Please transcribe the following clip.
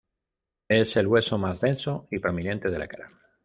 Es el hueso más denso y prominente de la cara.